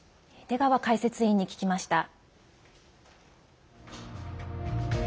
出川解説委員に聞きました。